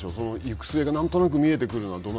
行く末が何となく見えてくるのは。